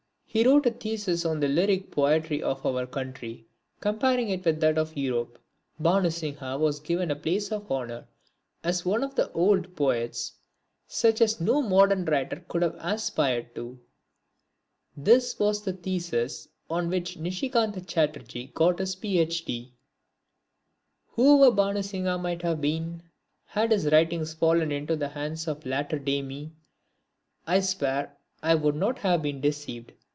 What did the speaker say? He wrote a thesis on the lyric poetry of our country comparing it with that of Europe. Bhanu Singha was given a place of honour as one of the old poets such as no modern writer could have aspired to. This was the thesis on which Nishikanta Chatterjee got his Ph. D.! Whoever Bhanu Singha might have been, had his writings fallen into the hands of latter day me, I swear I would not have been deceived.